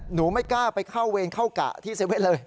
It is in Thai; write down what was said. หนูไม่กล้าไปเข้าเวรเข้ากะที่๗๑๑เลย